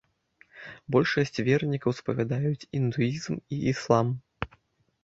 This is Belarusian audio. Большасць вернікаў спавядаюць індуізм і іслам.